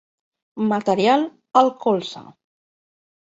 Material, el colze!